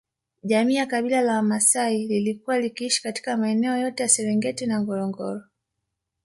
Jamii ya Kabila la Maasai ilikuwa ikiishi katika maeneo yote ya Serengeti na Ngorongoro